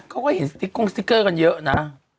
เขาก็เห็นสติ๊กโก้งสติ๊กเกอร์กันเยอะนะ